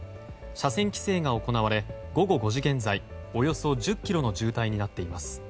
車線規制が行われ、午後５時現在およそ１０ｋｍの渋滞になっています。